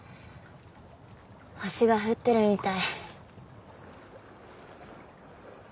星が降ってるみたい。